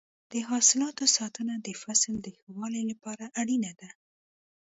د حاصلاتو ساتنه د فصل د ښه والي لپاره اړینه ده.